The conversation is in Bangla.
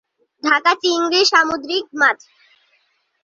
চাকা চিংড়ি সামুদ্রিক মাছ।